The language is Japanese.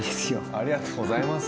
ありがとうございます。